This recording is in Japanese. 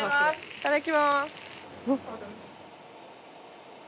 いただきます。